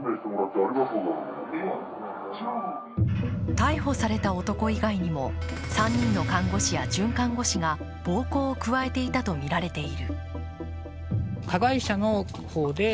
逮捕された男以外にも３人の看護師や准看護師が暴行を加えていたとみられている。